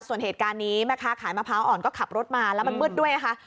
ส่วนเหตุการณ์นี้แม่ค้าขายมะพร้าวอ่อนก็ขับรถมาแล้วมันมืดด้วยนะคะ